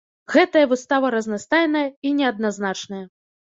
Гэтая выстава разнастайная і неадназначная.